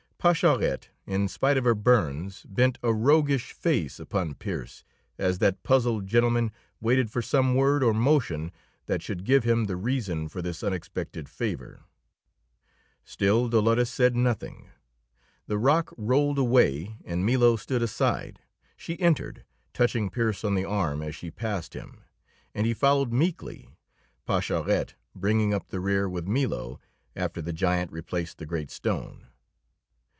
Pascherette, in spite of her burns, bent a roguish face upon Pearse as that puzzled gentleman waited for some word or motion that should give him the reason for this unexpected favor. Still Dolores said nothing. The rock rolled away, and Milo stood aside, she entered, touching Pearse on the arm as she passed him, and he followed meekly, Pascherette bringing up the rear with Milo after the giant replaced the great stone.